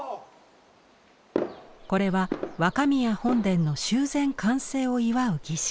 これは若宮本殿の修繕完成を祝う儀式。